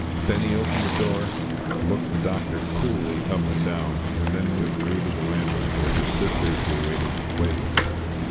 Benny opened the door, looked the doctor coolly up and down, and then withdrew to the landing, where his sisters were waiting to play with him.